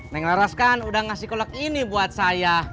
neng laras kan udah ngasih kolek ini buat saya